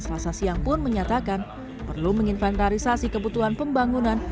selasa siang pun menyatakan perlu menginventarisasi kebutuhan pembangunan